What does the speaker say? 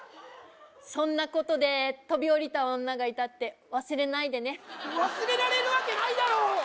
そんなことで飛び降りた女がいたって忘れないでね忘れられるわけないだろ！